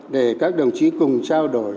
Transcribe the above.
để các đồng chí cùng trao đổi